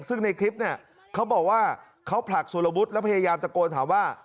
ซึ่งในคลิปเนี่ยเขาบอกว่าเขาผลักสุรวุฒิแล้วพยายามตะโกนถามว่า